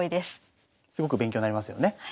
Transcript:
すごく勉強になりますよね。